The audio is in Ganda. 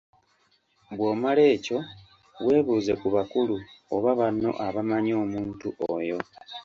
Bw'omala ekyo, weebuuze ku bakulu oba banno abamannyi omuntu oyo.